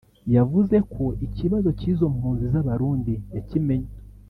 yavuze ko ikibazo cy’izo mpunzi z’Abarundi yakimenye